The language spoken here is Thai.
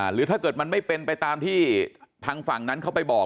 หรือถ้าเกิดมันไม่เป็นไปตามที่ทางฝั่งนั้นเขาไปบอก